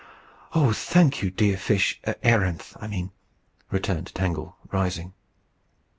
"Oh! thank you, dear fish a�ranth, I mean," returned Tangle, rising.